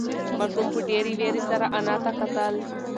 ماشوم په ډېرې وېرې سره انا ته کتل.